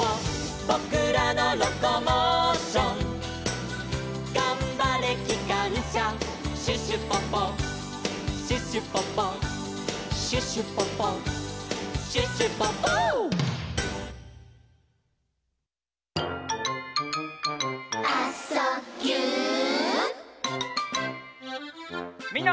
「ぼくらのロコモーション」「がんばれきかんしゃ」「シュシュポポシュシュポポ」「シュシュポポシュシュポポ」みんな。